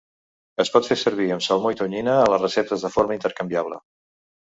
Es pot fer servir amb salmó i tonyina a les receptes de forma intercanviable.